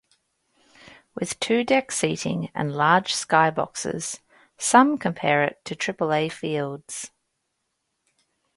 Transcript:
With two-deck seating and large skyboxes, some compare it to Triple-A fields.